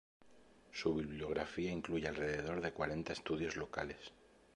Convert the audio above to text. Su bibliografía incluye alrededor de cuarenta estudios locales.